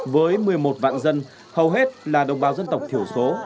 với một mươi một vạn dân hầu hết là đồng bào dân tộc thiểu số